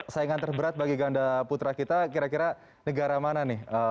saingan terberat bagi ganda putra kita kira kira negara mana nih